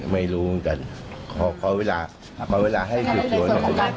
ไม่รู้เหมือนกันขอเวลามาเวลาให้ถูกโยน